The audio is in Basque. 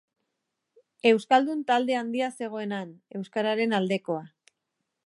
Euskaldun talde handia zegoen han, euskararen aldekoa.